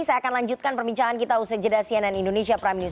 saya akan lanjutkan perbincangan kita usai jeda cnn indonesia prime news